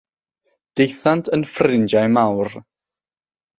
Daethant yn ffrindiau mawr.